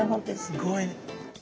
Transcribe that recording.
すごいね。